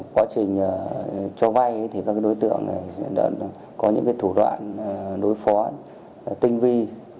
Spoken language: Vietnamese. quá trình cho vai thì các đối tượng có những thủ đoạn đối phó tinh vi